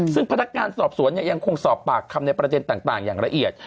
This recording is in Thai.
ซึ่งพนักงานสอบสวนยังคงสอบปากคำในประเด็นต่างอย่างละเอียด